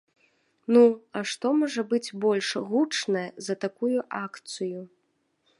Ну, а што можа быць больш гучнае за такую акцыю?